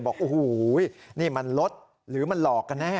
บอกโอ้โหนี่มันรถหรือมันหลอกกันแน่